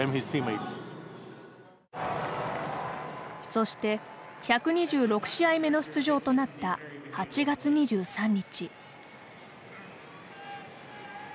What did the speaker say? そして、１２６試合目の出場となった８月２３日。